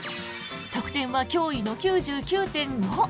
得点は驚異の９９．５。